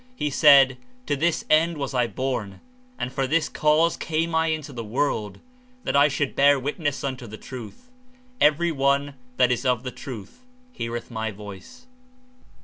He said: ''To this end was I born, and for this cause came I into the world, that I should hear witness unto the truth. Every one that is of the truth heareth my voice.''